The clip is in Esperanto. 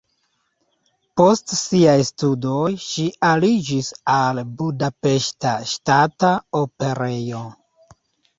Post siaj studoj ŝi aliĝis al Budapeŝta Ŝtata Operejo.